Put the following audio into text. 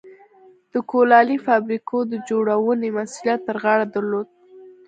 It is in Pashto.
د کولالۍ فابریکو د جوړونې مسوولیت پر غاړه درلود.